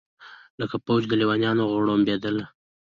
لکه فوج د لېونیانو غړومبېدله